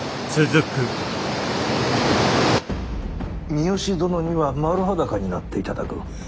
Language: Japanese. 三好殿には丸裸になっていただく。